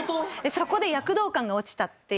そこで躍動感が落ちたっていう。